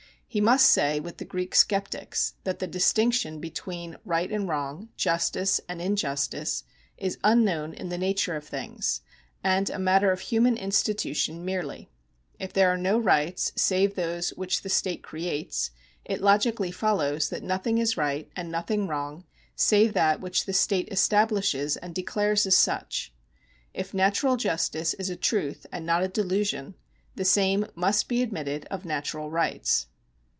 He must say with the Greek Sceptics that the distinction between right and wrong, justice and injustice, is unknown in the nature of things, and a matter of human institution merely. If there are no rights save those which the state creates, it logically folloMS that nothing is right and nothing wrong save that which the state establishes and declares as such. If natural justice is a truth and not a delusion, the same must be admitted of natural rights.